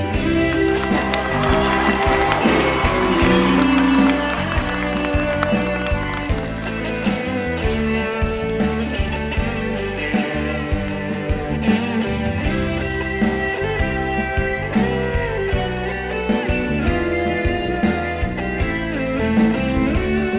คือเรื่องเพราะก็ไม่รู้